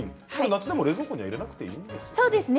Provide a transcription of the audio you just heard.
夏でも冷蔵庫に入れなくてもいいんですか？